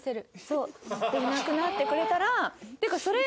スッといなくなってくれたら。